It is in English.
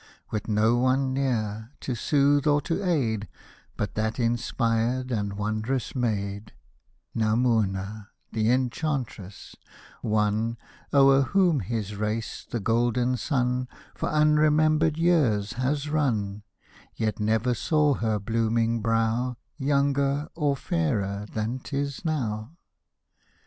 With no one near, to soothe or aid, But that inspired and wondrous maid, Hosted by Google THE LIGHT OF THE HAREM 151 NamounAj the Enchantress ;— one, O'er whom his race the golden sun For unremembered years has run, Yet never saw her blooming brow Younger or fairer than 'tis now.